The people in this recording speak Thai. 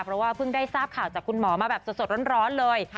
เพราะว่าเพิ่งได้ทราบข่าวจากคุณหมอมาแบบสดร้อนเลย